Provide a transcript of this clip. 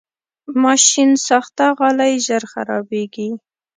ماشینساخته غالۍ ژر خرابېږي.